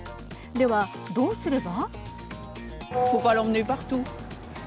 では、どうすれば。